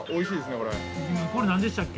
◆これ何でしたっけ？